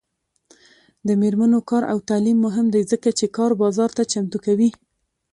د میرمنو کار او تعلیم مهم دی ځکه چې کار بازار ته چمتو کوي.